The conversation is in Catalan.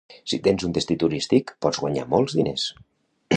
Si tens un destí turístic, pots guanyar molts diners.